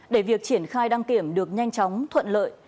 để việc triển khai đăng kiểm được nhanh chóng thuận lợi